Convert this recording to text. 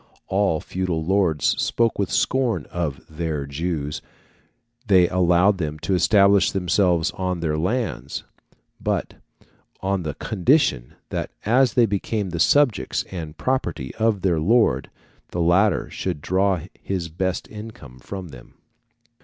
All feudal lords spoke with scorn of their Jews; they allowed them to establish themselves on their lands, but on the condition that as they became the subjects and property of their lord, the latter should draw his best income from them.